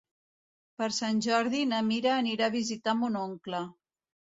Per Sant Jordi na Mira anirà a visitar mon oncle.